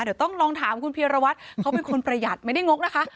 เดี๋ยวต้องลองถามคุณพีรวัตรเขาเป็นคนประหยัดไม่ได้งกนะคะ